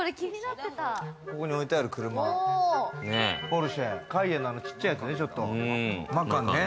ここに置いてある車、ポルシェ、カイエンのちっちゃいやつね、ちょっと、マカンね。